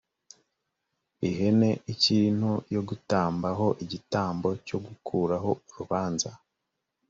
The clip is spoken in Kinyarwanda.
ihene ikiri nto yo gutamba ho igitambo cyo gukuraho urubanza